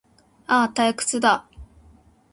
ああ、退屈だ